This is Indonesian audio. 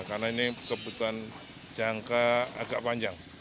karena ini kebutuhan jangka agak panjang